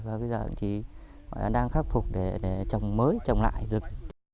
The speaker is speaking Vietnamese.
và bây giờ thì đang khắc phục để trồng mới trồng lại rừng